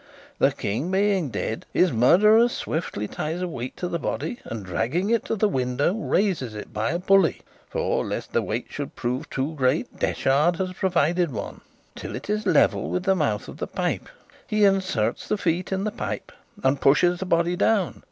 The King being dead, his murderer swiftly ties a weight to the body, and, dragging it to the window, raises it by a pulley (for, lest the weight should prove too great, Detchard has provided one) till it is level with the mouth of the pipe. He inserts the feet in the pipe, and pushes the body down.